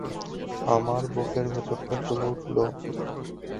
আমার বুকের ভিতরটা ফুলে উঠল।